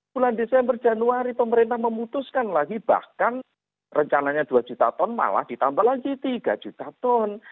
bulan desember januari pemerintah memutuskan lagi bahkan rencananya dua juta ton malah ditambah lagi tiga juta ton